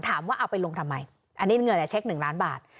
ถามว่าเอาไปลงทำไมอันนี้เงินแหละเช็คหนึ่งล้านบาท